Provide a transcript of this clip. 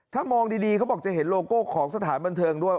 ถ้ามองดีเขาบอกจะเห็นโลโก้ของสถานบันเทิงด้วย